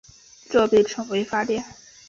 这被称为发电。